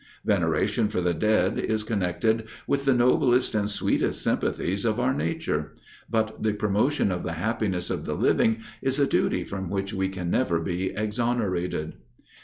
Veneration for the dead is connected with the noblest and sweetest sympathies of our nature: but the promotion of the happiness of the living is a duty from which we can never be exonerated.